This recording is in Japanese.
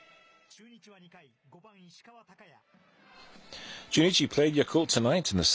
中日は２回、５番石川昂弥。